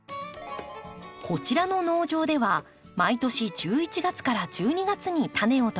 こちらの農場では毎年１１月から１２月にタネをとります。